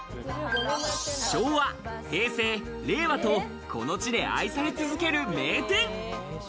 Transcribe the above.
昭和、平成、令和と、この地で愛され続ける名店。